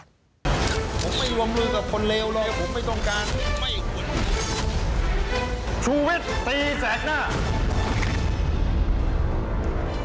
รวมกันเฉพาะกิจค่ะ